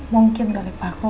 mungkin dari paku